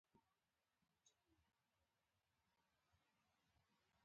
هغوی چې هلته پاتې شول پیسې ورنه کړل شوې.